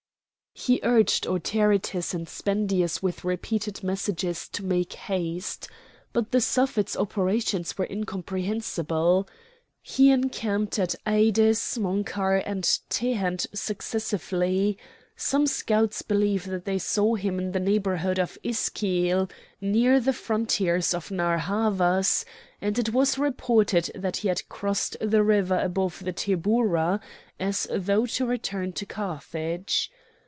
He urged Autaritus and Spendius with repeated messages to make haste. But the Suffet's operations were incomprehensible. He encamped at Eidous, Monchar, and Tehent successively; some scouts believed that they saw him in the neighbourhood of Ischiil, near the frontiers of Narr' Havas, and it was reported that he had crossed the river above Tebourba as though to return to Carthage.